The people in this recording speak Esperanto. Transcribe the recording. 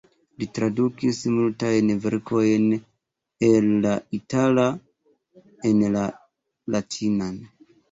Li tradukis multajn verkojn el la itala en la latinan.